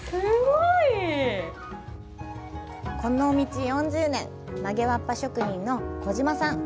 この道４０年、曲げわっぱ職人の小島さん。